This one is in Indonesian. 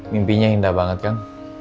mimpinya indah banget kang